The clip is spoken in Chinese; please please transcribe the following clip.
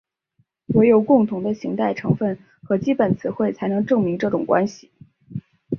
惟有共同的形态成分和基本词汇才能证明这种关系。